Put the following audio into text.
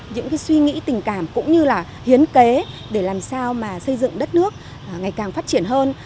những suy nghĩ tình cảm cũng như là hiến kế để làm sao mà xây dựng đất nước ngày càng phát triển hơn